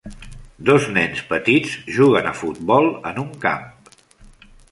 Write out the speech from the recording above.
Dos nens petits juguen a futbol en un camp.